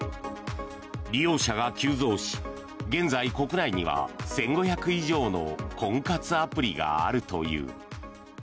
利用者が急増し現在、国内には１５００以上の婚活アプリがあるという。